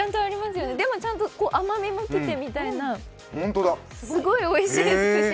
でもちゃんと甘みもきてみたいな、すごいおいしいです。